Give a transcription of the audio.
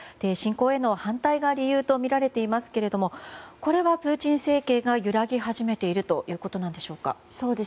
侵攻への反対が理由とみられていますがこれはプーチン政権が揺らぎ始めているということなんでしょうか。